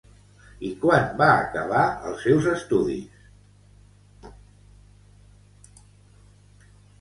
I quan va acabar els seus estudis?